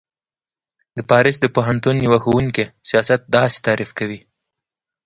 ج : د پاریس د پوهنتون یوه ښوونکی سیاست داسی تعریف کوی